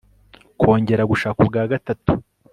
kongera gushaka ubwa gatatu